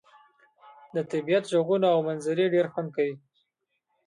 د طبيعت ږغونه او منظرې ډير خوند کوي.